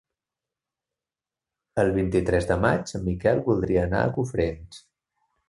El vint-i-tres de maig en Miquel voldria anar a Cofrents.